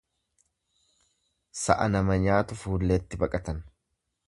Sa'a nama nyaatu fuulleetti baqatan.